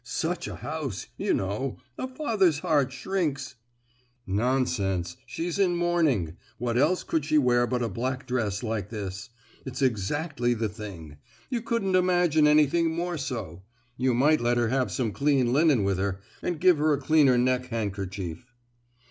Such a house, you know,—a father's heart shrinks——" "Nonsense!—she's in mourning—what else could she wear but a black dress like this? it's exactly the thing; you couldn't imagine anything more so!—you might let her have some clean linen with her, and give her a cleaner neck handkerchief."